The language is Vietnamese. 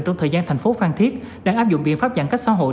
trong thời gian thành phố phan thiết đang áp dụng biện pháp giãn cách xã hội